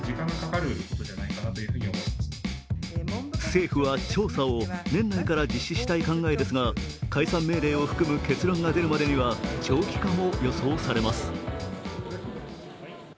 政府は調査を年内から実施したい考えですが解散命令を含む結論が出るまでには長期化も予想されます。